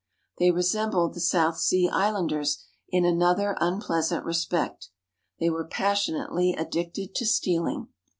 They resembled the South Sea Islanders in another unpleasant respect — they were passionately addicted to stealing.